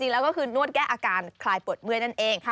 แล้วก็คือนวดแก้อาการคลายปวดเมื่อยนั่นเอง